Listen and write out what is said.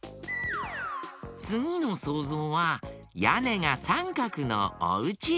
つぎのそうぞうはやねがサンカクのおうち。